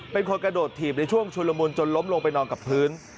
เป็นคนกระโดดถีบในช่วงชุลมุนจนล้มลงไปนอนกับพื้น